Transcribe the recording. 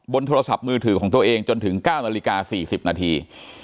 โทรศัพท์มือถือของตัวเองจนถึง๙นาฬิกา๔๐นาที